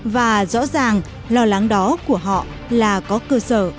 và rõ ràng lo lắng đó của họ là có cơ sở